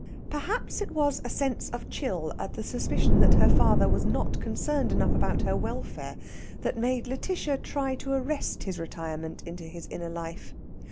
Perhaps it was a sense of chill at the suspicion that her father was not concerned enough about her welfare that made Lætitia try to arrest his retirement into his inner life.